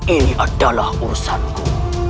ini adalah urusanku